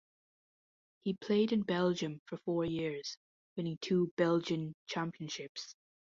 He played in Belgium for four years, winning two Belgian championships.